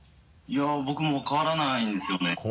いや僕も分からないんですよね。